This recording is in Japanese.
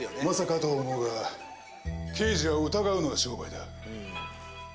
まさかと思うが刑事は疑うのが商売だ。